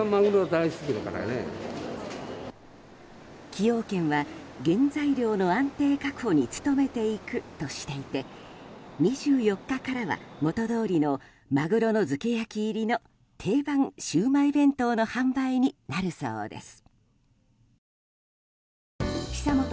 崎陽軒は原材料の安定確保に努めていくとしていて２４日からは元通りの鮪の漬け焼入りの定番シウマイ弁当の販売になるそうです。